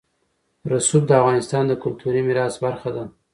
رسوب د افغانستان د کلتوري میراث برخه ده.